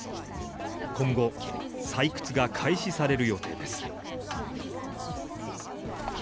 今後、採掘が開始される予定です。